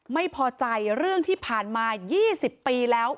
ไม่พอใจเรื่องที่ผ่านมา๒๐ปีแล้ว